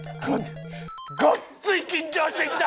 ごっつい緊張してきた！